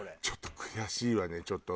ちょっと悔しいわね。